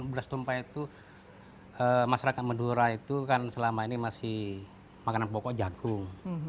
beras tumpah itu masyarakat mendura itu kan selama ini masih makanan pokok jagung